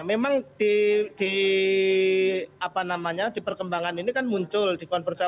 memang di apa namanya di perkembangan ini kan muncul di konverda